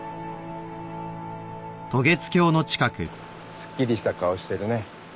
すっきりした顔してるね。